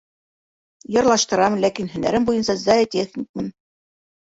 Йырлаштырам, ләкин һөнәрем буйынса зоотехникмын.